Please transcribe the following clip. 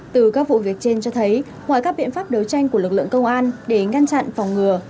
từ các vụ việc trên cho thấy ngoài các biện pháp đấu tranh của lực lượng công an để ngăn chặn phòng ngừa